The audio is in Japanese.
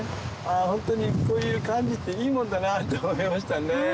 ホントにこういう感じっていいもんだなと思いましたね。